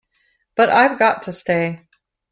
But I've got to stay.